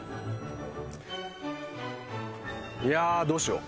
いやあどうしよう。